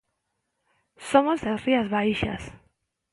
Somos das Rías Baixas